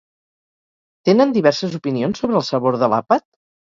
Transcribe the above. Tenen diverses opinions sobre el sabor de l'àpat?